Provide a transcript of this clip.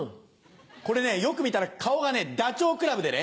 これよく見たら顔がダチョウ倶楽部でね